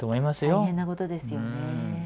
大変なことですよね。